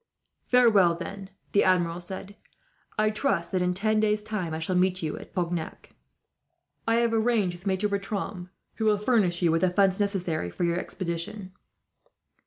"Farewell then," the Admiral said. "I trust that, in ten days' time, I shall meet you at Cognac. I have arranged with Maitre Bertram, who will furnish you with the funds necessary for your expedition."